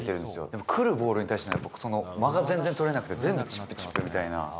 でも来るボールに対しての、その間が全然取れなくて、全部チップ、チップみたいな。